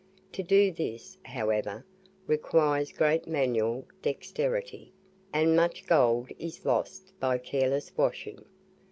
To do this, however, requires great manual dexterity, and much gold is lost by careless washing.